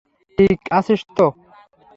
ঠিক আছিস তো?